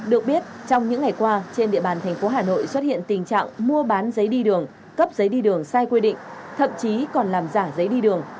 được biết trong những ngày qua trên địa bàn thành phố hà nội xuất hiện tình trạng mua bán giấy đi đường cấp giấy đi đường sai quy định thậm chí còn làm giả giấy đi đường